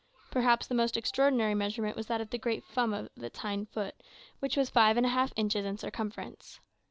Perhaps the most extraordinary measurement was that of the great thumb of its hind foot, which was 5 and a half inches in circumference.